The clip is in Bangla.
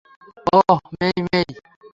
ওহ, মেই-মেই।